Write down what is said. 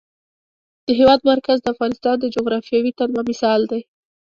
د هېواد مرکز د افغانستان د جغرافیوي تنوع مثال دی.